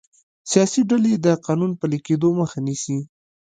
سیاسي ډلې د قانون پلي کیدو مخه نیسي